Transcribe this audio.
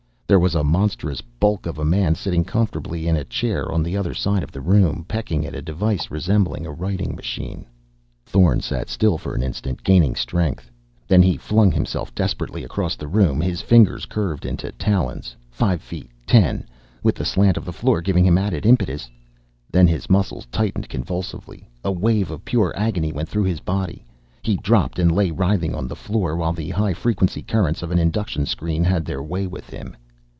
There was a monstrous bulk of a man sitting comfortably in a chair on the other side of the room, pecking at a device resembling a writing machine. Thorn sat still for an instant, gaining strength. Then he flung himself desperately across the room, his fingers curved into talons. Five feet, ten, with the slant of the floor giving him added impetus.... Then his muscles tightened convulsively. A wave of pure agony went through his body. He dropped and lay writhing on the floor, while the high frequency currents of an induction screen had their way with him.